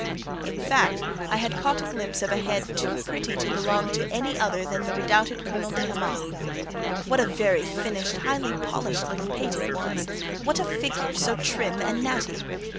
In fact, I had caught a glimpse of a head too pretty to belong to any other than the redoubted Colonel de Hamal. What a very finished, highly polished little pate it was! What a figure, so trim and natty!